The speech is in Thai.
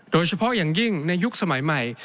โดยเฉพาะอย่างยิ่งในยุคสมัยใหม่